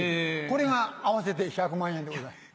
これが合わせて１００万円でございます。